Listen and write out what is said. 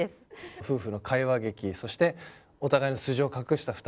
夫婦の会話劇そしてお互いの素性を隠した２人